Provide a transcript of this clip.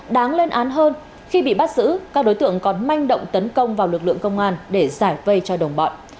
đáng lên án hơn khi bị bắt giữ các đối tượng còn manh động tấn công vào lực lượng công an để giải vây cho đồng bọn